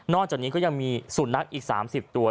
จากนี้ก็ยังมีสุนัขอีก๓๐ตัว